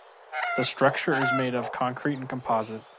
The structure is made of concrete and composite.